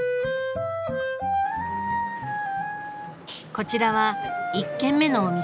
こちらは１軒目のお店。